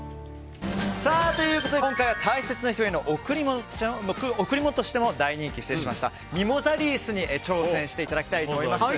今回は大切な人への贈り物としても大人気ミモザリースに挑戦していただきたいと思います。